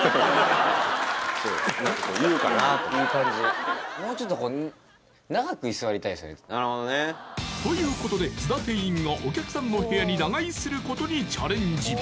いい感じということで菅田店員がお客さんの部屋に長居することにチャレンジ